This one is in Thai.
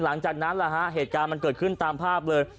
หลังจากนั้นเหตุการณ์มันเกิดขึ้นตามภาพเลย